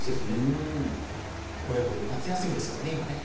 親子で夏休みですからね今ね。